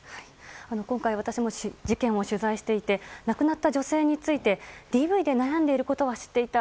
今回、私も事件を取材していて亡くなった女性についてＤＶで悩んでいることは知っていた。